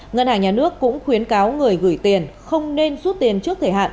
ngân hàng nhà nước cũng khuyến cáo người gửi tiền không nên rút tiền trước thời hạn